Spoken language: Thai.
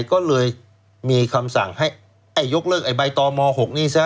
ก็เลยมีคำสั่งให้ยกเลิกไอใบตม๖นี้ซะ